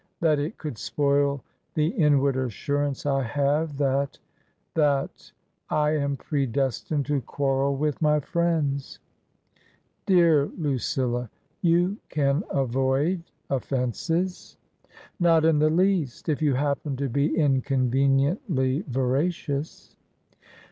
That it could spoil the inward assurance I have that — that — I am predestined to quarrel with my friends." " Dear Lucilla ! You can avoid offences !"*' Not in the least, if you happen to be inconveniently veracious."